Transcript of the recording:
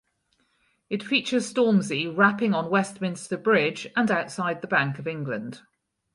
It features Stormzy rapping on Westminster Bridge and outside the Bank of England.